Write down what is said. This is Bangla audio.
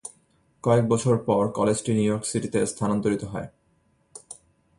কয়েক বছর পর কলেজটি নিউ ইয়র্ক সিটিতে স্থানান্তরিত হয়।